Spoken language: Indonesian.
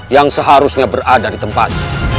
yang seharusnya berada di tempat